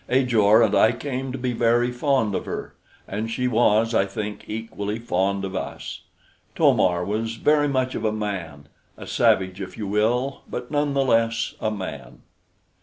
Ajor and I came to be very fond of her, and she was, I think, equally fond of us. To mar was very much of a man a savage, if you will, but none the less a man.